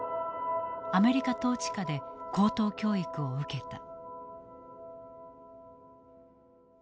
アメリカ統治下で高等教育を受けた。